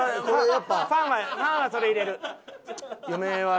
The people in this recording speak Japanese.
これ。